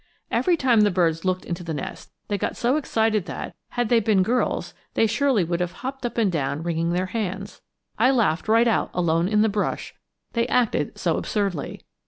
Every time the birds looked into the nest they got so excited that, had they been girls, they surely would have hopped up and down wringing their hands. I laughed right out alone in the brush, they acted so absurdly.